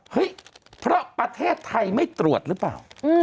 เฮ้ยเพราะประเทศไทยไม่ตรวจหรือเปล่า